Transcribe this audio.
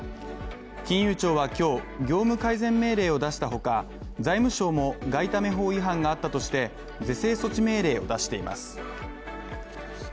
金融庁は今日、業務改善命令を出したほか、財務省も外為法違反があったとして、是正措置命令を出しています。